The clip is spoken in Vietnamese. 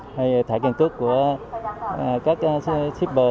cái kiến thức của các shipper